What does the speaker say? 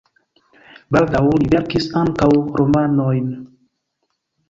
Baldaŭ li verkis ankaŭ romanojn.